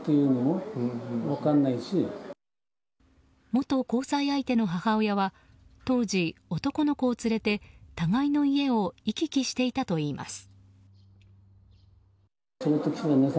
元交際相手の母親は当時男の子を連れて互いの家を行き来していたといいます。